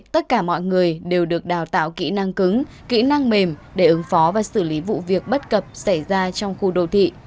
tất cả mọi người đều được đào tạo kỹ năng cứng kỹ năng mềm để ứng phó và xử lý vụ việc bất cập xảy ra trong khu đô thị